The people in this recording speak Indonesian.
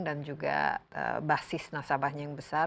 dan juga basis nasabahnya yang besar